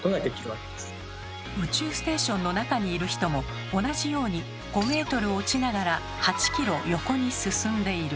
宇宙ステーションの中にいる人も同じように５ｍ落ちながら８ｋｍ横に進んでいる。